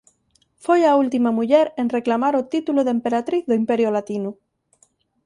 Foi a última muller en reclamar o título de emperatriz do Imperio Latino.